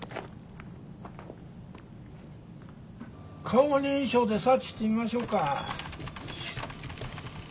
顔認証でサーチしてみましょうか。